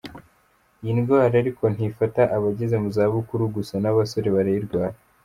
Iyi ndwara ariko ntifata abageze mu za bukuru gusa, n’abasore barayirwara.